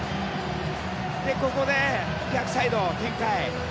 ここで逆サイドに展開。